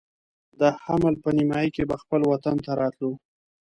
د حمل په نیمایي کې به خپل وطن ته راتلو.